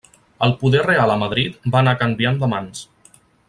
El poder real a Madrid va anar canviant de mans.